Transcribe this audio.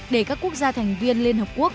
để các quốc gia thành viên liên hợp quốc